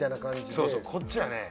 そうそうこっちはね